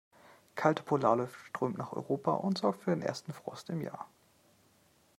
Kalte Polarluft strömt nach Europa und sorgt für den ersten Frost im Jahr.